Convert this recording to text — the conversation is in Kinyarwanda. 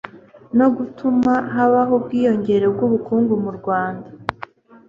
no gutuma habaho ubwiyongere bw'ubukungu mu rwanda